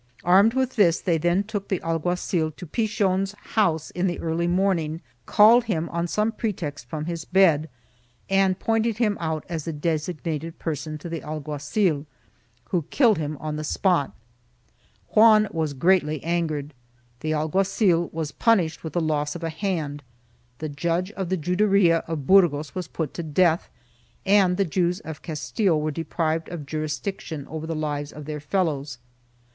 Armed with this they took the alguazil to Pichon's house in the early morning, called him on some pretext from his bed and pointed him out as the designated person to the alguazil, who killed him on the spot. Juan was greatly angered; the alguazil was punished with the loss of a hand, the judge of the Juderia of Burgos was put to death and the Jews of Castile were deprived of jurisdiction over the lives of their fellows.